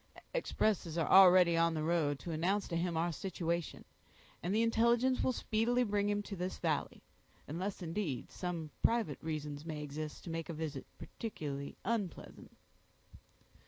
"Expresses are already on the road to announce to him our situation, and the intelligence will speedily bring him to this valley; unless, indeed, some private reasons may exist to make a visit particularly unpleasant."